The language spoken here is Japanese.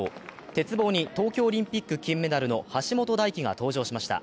鉄棒に東京オリンピック金メダルの橋本大輝が登場しました。